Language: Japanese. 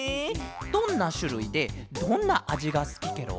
どんなしゅるいでどんなあじがすきケロ？